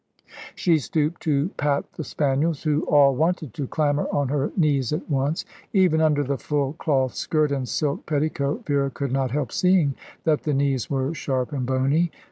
She stooped to pat the spaniels, who all wanted to clamber on her knees at once. Even under the full cloth skirt and silk petticoat Vera could not help seeing that the knees were sharp and bony.